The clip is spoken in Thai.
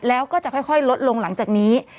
แล้วก็จะค่อยลดลงหลังจากนี้